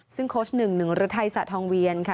ซึ่งโคชหนึ่งหนึ่งรถไทยศาสตร์ทองเวียนค่ะ